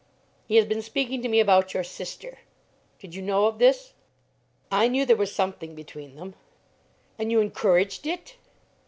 "He has been speaking to me about your sister. Did you know of this?" "I knew there was something between them." "And you encouraged it?"